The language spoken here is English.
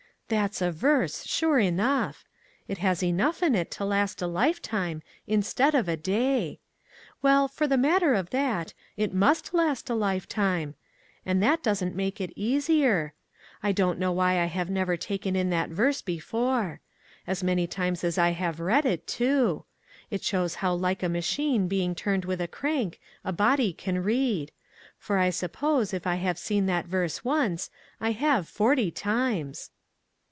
" That's a verse, sure enough ! It has enough in it to last a lifetime, instead of a day. Well, for the matter of that, it FROM MIDNIGHT TO SUNRISE. 21 must last a lifetime ; and that doesn't make it easier. I don't know why I have never taken in that verse before. As many times as I have read it, too ! It shows how like a machine being turned with a crank a body can read; for I suppose if I have seen that verse once,' I have forty times."